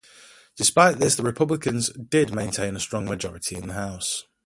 Despite this, the Republicans did maintain a strong majority in the House.